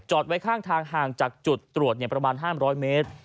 ไว้ข้างทางห่างจากจุดตรวจประมาณ๕๐๐เมตร